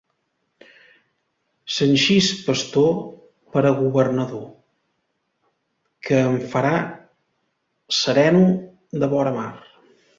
Sanxis Pastor per a governador, que em farà sereno de vora mar.